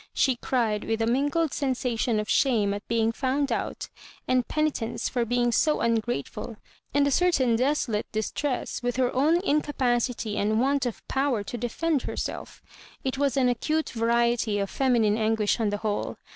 She cried with a mingled sensation of shame at being found out, and penitence for being so ungrateful, and a certain desolate distress with her own incapacity and want of power to defend herselC It was an acute variety of feminine anguish on the whole.